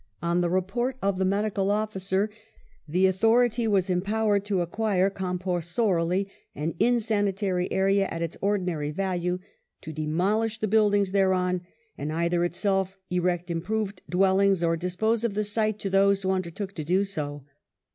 ^ On the report of the medical officer the authority was empowered to acquire compulsorily an insanitary area at its ordinary value, to demolish the buildings thereon, and either itself erect improved dwellings, or dispose of the site to those who undertook to do so.